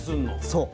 そう。